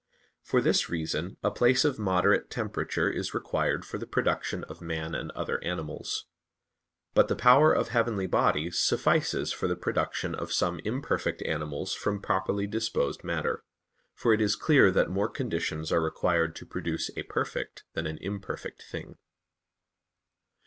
For this reason, a place of moderate temperature is required for the production of man and other animals. But the power of heavenly bodies suffices for the production of some imperfect animals from properly disposed matter: for it is clear that more conditions are required to produce a perfect than an imperfect thing.